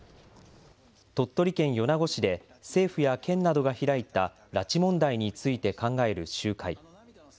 鳥取県米子市で政府や県などが開いた、拉致問題について考える集会。